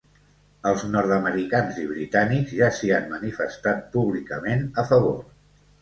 Els nord-americans i britànics ja s’hi han manifestat públicament a favor.